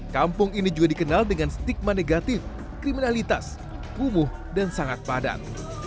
kampung ini juga dikenal dengan stigma negatif kriminalitas kumuh dan sangat padat